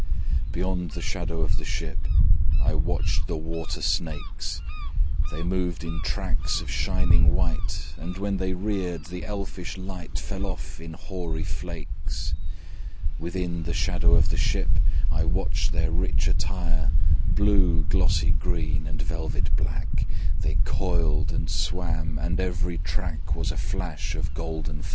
Beyond the shadow of the ship, I watched the water snakes: They moved in tracks of shining white, And when they reared, the elfish light Fell off in hoary flakes. Within the shadow of the ship I watched their rich attire: Blue, glossy green, and velvet black, They coiled and swam; and every track Was a flash of golden fire.